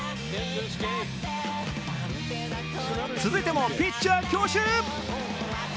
続いてもピッチャー強襲。